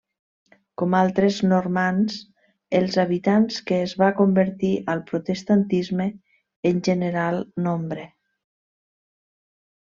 Com altres normands els habitants que es va convertir al protestantisme en general nombre.